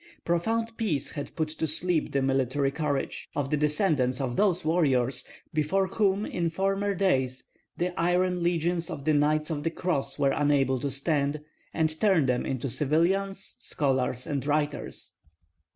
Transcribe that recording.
Profound peace had put to sleep the military courage of the descendants of those warriors, before whom in former days the iron legions of the Knights of the Cross were unable to stand, and turned them into civilians, scholars, and writers.